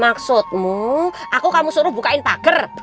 maksudmu aku kamu suruh bukain pagar